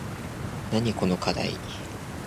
なにこのかだい